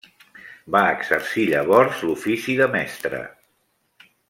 Va exercir llavors l'ofici de mestre.